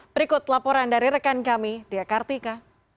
berikut laporan dari rekan kami dea kartika